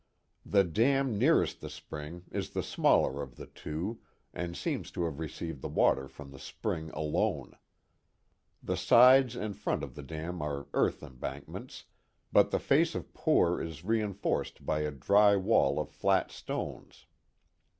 The dam nearest the spring is the smaller of the two and seems to have received the water from the spring alone. The sides and front of the dam are earth embankments, but the face or pour is reinforced by a dry wall of flat stones.